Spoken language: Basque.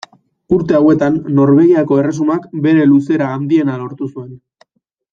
Urte hauetan Norvegiako erresumak bere luzera handiena lortu zuen.